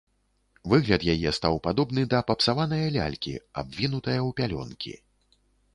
Выгляд яе стаў падобны да папсаванае лялькі, абвінутае ў пялёнкі.